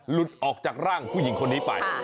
หลุดออกจากร่างผู้หญิงคนนี้ไป